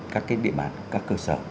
các cái địa mạng các cơ sở